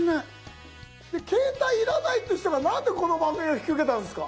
携帯要らないっていう人がなんでこの番組を引き受けたんですか？